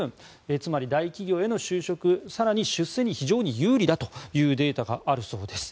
つまり、大企業への就職更に出世に非常に有利だというデータがあるそうです。